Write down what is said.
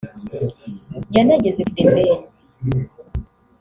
yanageze kuri The Ben